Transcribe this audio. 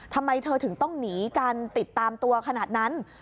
ทำไมเธอถึงต้องหนีการติดตามตัวขนาดนั้น